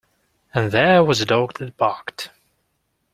And there was a dog that barked.